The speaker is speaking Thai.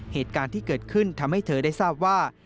เหตุการณ์ที่เกิดขึ้นทำให้เธอได้ทราบว่า